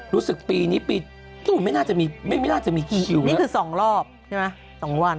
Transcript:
รู้สึกปีนี้ปีตูนไม่น่าจะมีคิวนะนี่คือ๒รอบใช่ไหม๒วัน